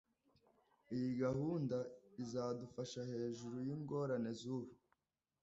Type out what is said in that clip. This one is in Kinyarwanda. Iyi gahunda izadufasha hejuru yingorane zubu